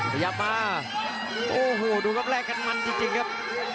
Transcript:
ขยับมาโอ้โหดูครับแลกกันมันจริงครับ